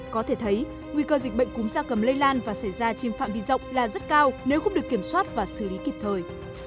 có thể thấy nguy cơ dịch bệnh cúm gia cầm lây lan và xảy ra trên phạm vi rộng là rất cao nếu không được kiểm soát và xử lý kịp thời